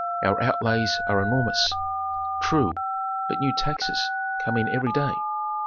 "Our outlays are enormous." "True, but new taxes come in every day."